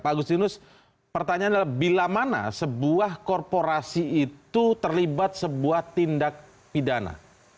pak agustinus pertanyaan adalah bila mana sebuah korporasi itu terlibat sebuah tindak pidana